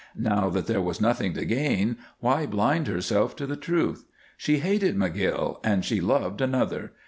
Now that there was nothing to gain, why blind herself to the truth? She hated McGill, and she loved another!